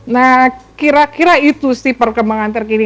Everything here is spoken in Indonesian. nah kira kira itu sih perkembangan terkini